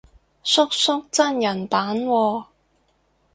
叔叔真人版喎